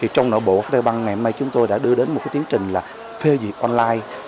trong nội bộ hđb ngày hôm nay chúng tôi đã đưa đến một tiến trình phê dịch online